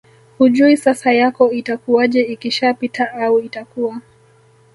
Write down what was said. hujui sasa yako itakuwaje ikishapita au itakuwa